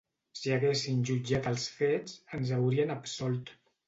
Si haguessin jutjat els fets, ens haurien absolt.